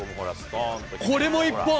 これも１本。